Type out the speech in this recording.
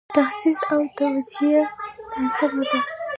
تخصیص او توجیه ناسمه ده.